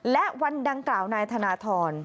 และวันดังกล่าวนายธนทร